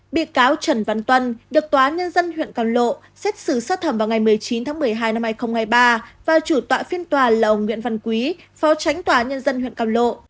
bị cáo trần văn tuân được tòa án nhân dân huyện cam lộ xét xử sơ thẩm vào ngày một mươi chín tháng một mươi hai năm hai nghìn hai mươi ba và chủ tọa phiên tòa là ông nguyễn văn quý phó tránh tòa nhân dân huyện cam lộ